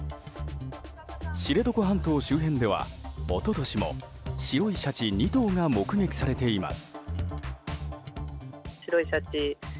知床半島周辺では一昨年も白いシャチ２頭が目撃されています。